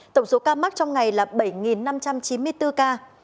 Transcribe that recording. tổng số ca mắc trong ngày là bảy năm trăm chín mươi bốn ca